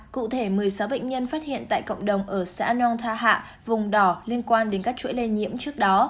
cụ thể một mươi sáu bệnh nhân phát hiện tại cộng đồng ở xã nong tha hạ vùng đỏ liên quan đến các chuỗi lây nhiễm trước đó